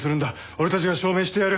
俺たちが証明してやる。